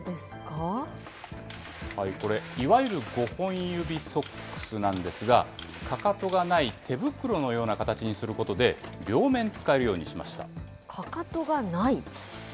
これ、いわゆる５本指ソックスなんですが、かかとがない手袋のような形にすることで、両面使えるようにしました。